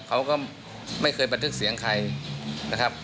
เขาก็ไม่เคยบันทึกเสียงใครนะครับ